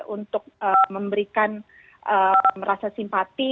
untuk memberikan rasa simpati